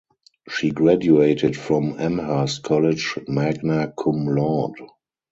She graduated from Amherst College magna cum laude.